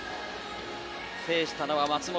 制したのは松元。